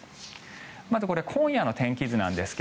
まずこれは今夜の天気図ですが。